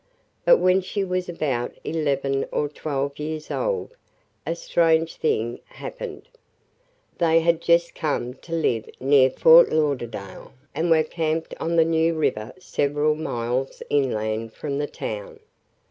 But when she was about eleven or twelve years old, a strange thing happened. They had just come to live near Fort Lauderdale and were camped on the New River several miles inland from the town.